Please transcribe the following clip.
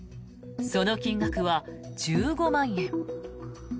その金額は１５万円。